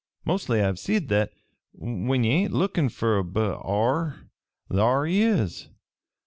Mostly I've seed that, when ye ain't lookin' fer a b'ar, thar he is.